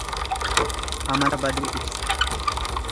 Amala baduu ibsa.